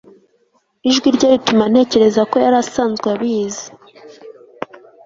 Ijwi rye rituma ntekereza ko yari asanzwe abizi